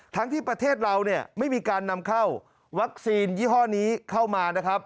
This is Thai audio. ที่ประเทศเราเนี่ยไม่มีการนำเข้าวัคซีนยี่ห้อนี้เข้ามานะครับ